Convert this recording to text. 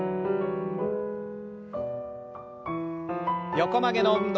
横曲げの運動。